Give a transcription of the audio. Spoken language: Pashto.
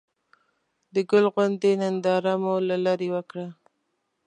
د ګل غونډۍ ننداره مو له ليرې وکړه.